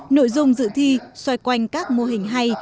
nội dung dự thi xoay quanh các mô hình hay